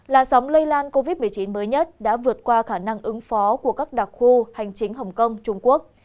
làn sóng lây lan covid một mươi chín mới nhất đã vượt qua khả năng ứng phó của các đặc khu hành chính hồng kông trung quốc